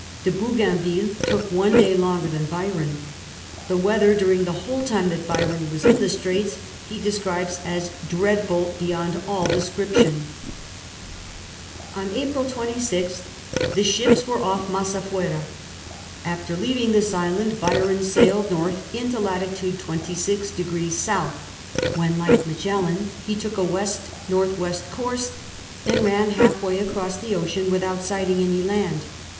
De Bougainville took one day longer than Byron. The weather during the whole time that Byron was in the Straits he describes as dreadful beyond all descrip tion." On April 26th the ships were off Masafuera. After leaving this island Byron sailed north into lat 26° S., when, like Magellan, he took a W.N.W. course, and ran half way across the occjin without sighting any land.